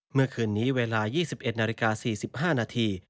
เมื่อคืนนี้เวลา๒๑นาฬิกา๔๕นาที